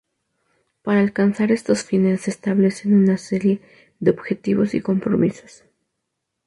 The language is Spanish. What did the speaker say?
Para alcanzar estos fines se establecen una serie de objetivos y compromisos.